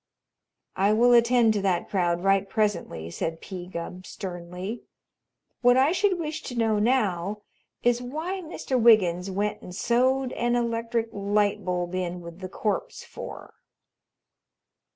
"I will attend to that crowd right presently," said P. Gubb, sternly. "What I should wish to know now is why Mister Wiggins went and sewed an electric light bulb in with the corpse for."